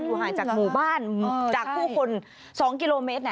ห่างจากหมู่บ้านจากผู้คน๒กิโลเมตร